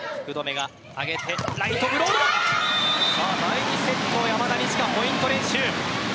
第２セット山田二千華がポイント連取。